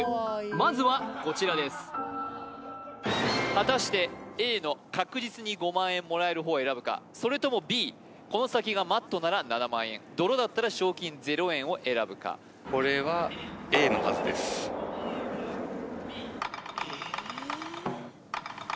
まずはこちらです果たしてＡの確実に５万円もらえるほうを選ぶかそれともＢこの先がマットなら７万円泥だったら賞金０円を選ぶかこれはＡのはずですええ